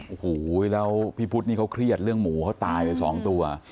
โอ้โหแล้วพี่พุทธนี่เขาเครียดเรื่องหมูเขาตายไปสองตัว